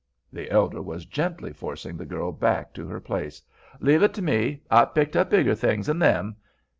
The elder was gently forcing the girl back to her place. "Leave it to me. I've picked up bigger things 'n them.